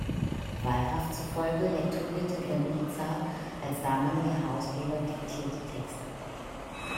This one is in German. Wallraff zufolge lektorierte Gremliza als damaliger Herausgeber diktierte Texte.